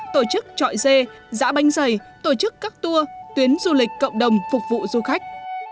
tổ chức trọi dê giã banh dày tổ chức các tour tuyến du lịch cộng đồng phục vụ du khách